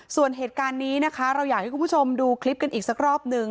ส่วนเหตุการณ์นี้นะคะเราอยากให้คุณผู้ชมดูคลิปกันอีกสักรอบหนึ่ง